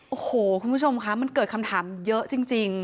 โอ้โหคุณผู้ชมคะมันเกิดคำถามเยอะจริง